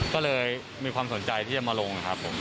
ก็เลยมีความสนใจที่จะมาลงครับผม